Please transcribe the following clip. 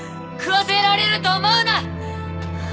食わせられると思うな！